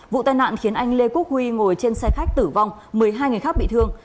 vụ tai nạn khiến anh lê quốc huy ngồi trên xe khách tử vong một mươi hai người khác bị thương